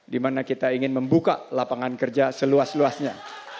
dimana kita ingin membuka lapangan kerja seluas luasnya